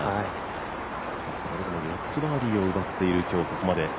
それでも４つバーディーを奪っている今日、ここまで。